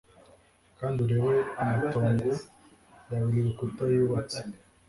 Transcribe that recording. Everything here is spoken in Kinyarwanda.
Kandi urebe amatongo ya buri rukutaYubatse